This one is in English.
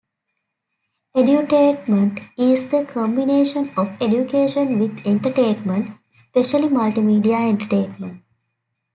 Edutainment is the combination of education with entertainment, especially multimedia entertainment.